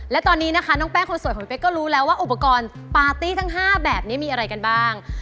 และตอนนี้นะคะน้องแป้งคนสวยของพี่เป๊กก็รู้แล้วว่าอุปกรณ์ปาร์ตี้ทั้ง๕แบบนี้มีอะไรกันบ้าง